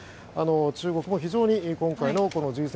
中国も非常に今回のＧ７